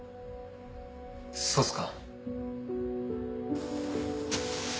そうっすか。